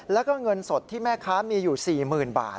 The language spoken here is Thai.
แล้วก็เงินสดที่แม่ค้ามีอยู่๔๐๐๐บาท